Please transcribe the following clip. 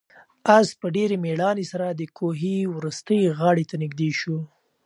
آس په ډېرې مېړانې سره د کوهي وروستۍ غاړې ته نږدې شو.